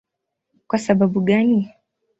Kwa sababu gani?